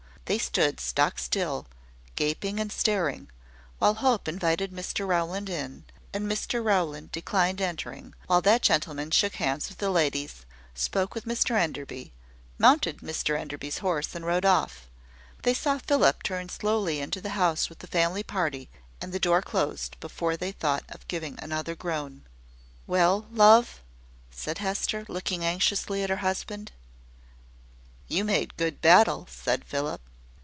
They stood stock still, gaping and staring, while Hope invited Mr Rowland in, and Mr Rowland declined entering; while that gentleman shook hands with the ladies, spoke with Mr Enderby, mounted Mr Enderby's horse, and rode off. They saw Philip turn slowly into the house with the family party, and the door closed, before they thought of giving another groan. "Well, love!" said Hester, looking anxiously at her husband. "You made good battle," said Philip.